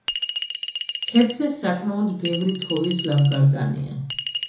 ქედზე საკმაოდ ბევრი თოვლის ლავგარდანია.